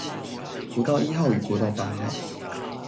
國道一號與國道八號